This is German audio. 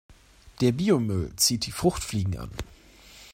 Der Biomüll zieht die Fruchtfliegen an.